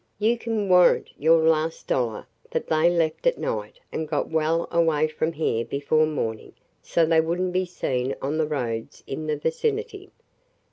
You can warrant your last dollar that they left at night and got well away from here before morning so they would n't be seen on the roads in the vicinity!"